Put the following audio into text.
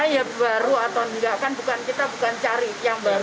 ya baru atau enggak kan kita bukan cari yang baru